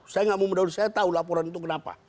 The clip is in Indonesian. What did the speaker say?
saya tidak mau mendukung saya tahu laporan itu kenapa